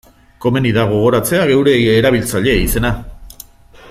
Komeni da gogoratzea geure erabiltzaile izena.